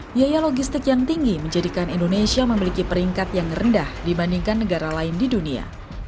biaya logistik yang tinggi menjadikan indonesia memiliki peringkat yang rendah dibandingkan negara lain di dunia